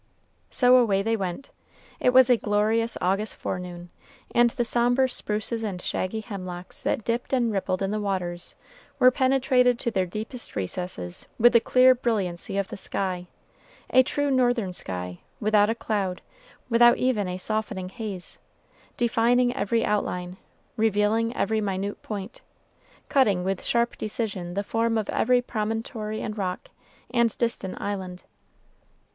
So away they went. It was a glorious August forenoon, and the sombre spruces and shaggy hemlocks that dipped and rippled in the waters were penetrated to their deepest recesses with the clear brilliancy of the sky, a true northern sky, without a cloud, without even a softening haze, defining every outline, revealing every minute point, cutting with sharp decision the form of every promontory and rock, and distant island.